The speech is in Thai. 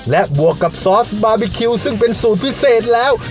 และบวกกับซอสบาร์บีคิวซึ่งเป็นสูตรพิเศษแล้ว